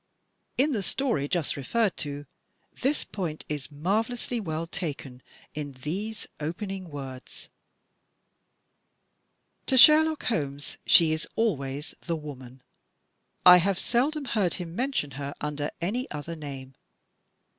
In the story just referred to, this point is marvelously well taken in these opening words: To Sherlock Holmes she is always the woman. I have seldom heard him mention her under any other name.